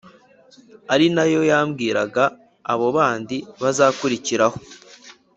ari na yo yabwirwaga abo bandi bazakurikiraho